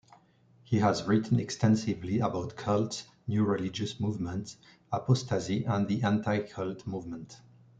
He has written extensively about "cults", new religious movements, apostasy, and the anti-cult movement.